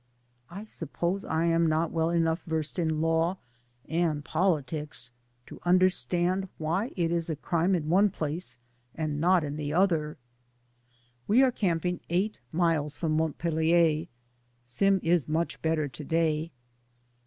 I suppose I am not well enough versed in law and politics to understand why DAYS ON THE ROAD. 239 it is crime in one place and not in the other. We are camping eight miles from Mont pelier. Sim is much better to day.